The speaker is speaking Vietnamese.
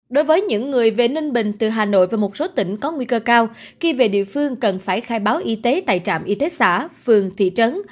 đối với những người về ninh bình từ hà nội và một số tỉnh có nguy cơ cao khi về địa phương cần phải khai báo y tế tại trạm y tế xã phường thị trấn